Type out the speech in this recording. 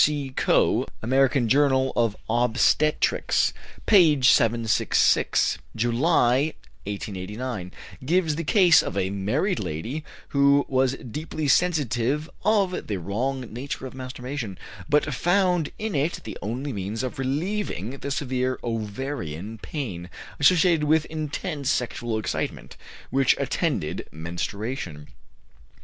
C. Coe (American Journal of Obstetrics, p. 766, July, 1889) gives the case of a married lady who was deeply sensitive of the wrong nature of masturbation, but found in it the only means of relieving the severe ovarian pain, associated with intense sexual excitement, which attended menstruation.